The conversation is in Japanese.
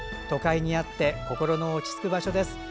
都会にあって心の落ち着く場所です。